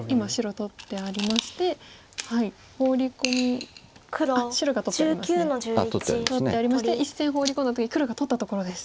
取ってありまして１線ホウリ込んだ時黒が取ったところです。